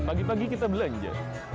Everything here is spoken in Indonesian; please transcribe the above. pagi pagi kita belanja